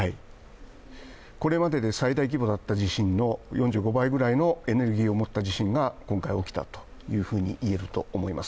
これまでで最大規模だった地震の４５倍ぐらいのエネルギーを持った地震が今回起きたと言えると思います。